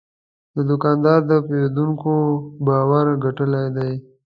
دا دوکاندار د پیرودونکو باور ګټلی دی.